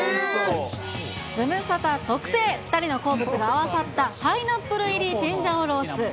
ズムサタ特製、２人の好物が合わさった、パイナップル入りチンジャオロース。